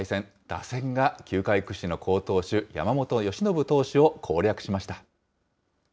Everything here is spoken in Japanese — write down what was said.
打線が球界屈指の好投手、山本由伸投手を攻略しました。